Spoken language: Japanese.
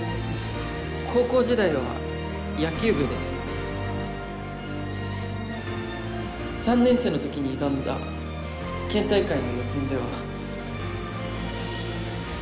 高校時代は野球部でえっと３年生の時に挑んだ県大会の予選では。